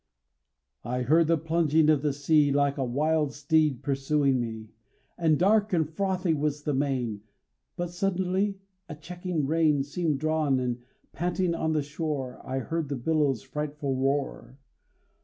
I heard the plunging of the sea Like a wild steed pursuing me, And dark and frothy was the main; But suddenly a checking rein Seemed drawn, and panting on the shore, I heard the billows' frightful roar.